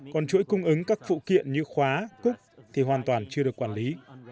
còn chuỗi cung ứng các phụ kiện như khóa cúc thì hoàn toàn chưa được quản lý